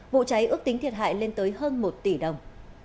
vụ cháy ước tính thiệt hại lên tới hơn một tỷ đồng